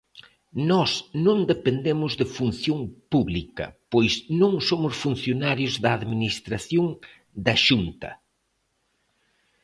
Nós non dependemos de Función Pública, pois non somos funcionarios da administración da Xunta.